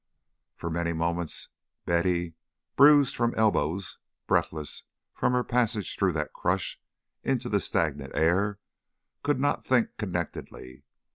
For many moments Betty, bruised from elbows, breathless from her passage through that crush in the stagnant air, could not think connectedly.